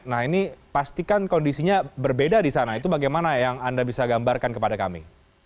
nah ini pastikan kondisinya berbeda di sana itu bagaimana yang anda bisa gambarkan kepada kami